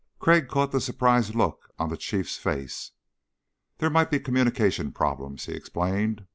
Crag caught the surprised look on the Chief's face. "There might be communication problems," he explained.